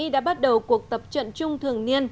đã bắt đầu tập trận chung thường niên